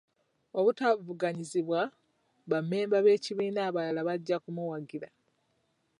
Obutavuganyizibwa, bammemba b'ekibiina abalala bajja kumuwagira.